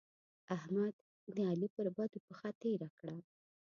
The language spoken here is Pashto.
احمد؛ د علي پر بدو پښه تېره کړه.